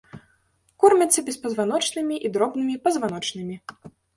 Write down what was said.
Кормяцца беспазваночнымі і дробнымі пазваночнымі.